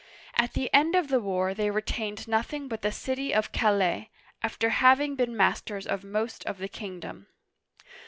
At the end of the war they retained nothing but the city of Calais, after having been masters of most of the kingdom.